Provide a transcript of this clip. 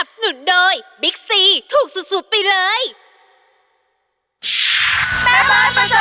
อ๋อมสกาวใจภูมิสวัสดิ์ค่ะ